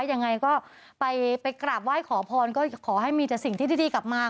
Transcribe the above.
ยังไงก็ไปกราบไหว้ขอพรก็ขอให้มีแต่สิ่งที่ดีกลับมา